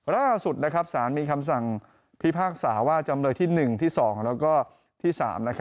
ล่าสุดสารมีคำสั่งพิพากษาว่าจำเลยที่๑ที่๒แล้วก็ที่๓